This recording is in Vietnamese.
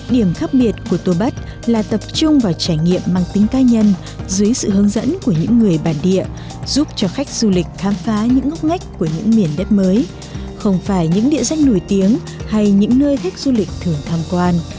điểm khác biệt của tô bắt là tập trung vào trải nghiệm mang tính ca nhân dưới sự hướng dẫn của những người bản địa giúp cho khách du lịch khám phá những ngóc ngách của những miền đất mới không phải những địa danh nổi tiếng hay những nơi khách du lịch thường tham quan